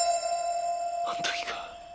あの時か。